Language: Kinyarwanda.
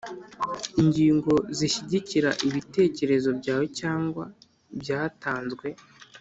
– Ingingo zishyigikira ibitekezo byawe cyangwa byatanzwe.